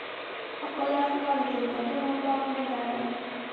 خپل افکار له تېروتنو پاک نه ګڼل.